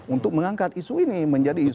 untuk mengangkat isu ini menjadi isu